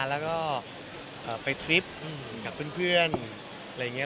แล้วก็ไปทริปกับเพื่อนอะไรอย่างนี้